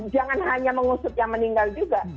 jangan hanya mengusut yang meninggal juga